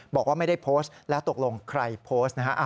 บอกว่าไม่ได้โพสต์แล้วตกลงใครโพสต์นะฮะ